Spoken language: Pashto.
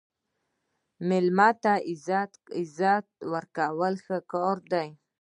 مېلمه ته عزت ورکول ښه کار دی.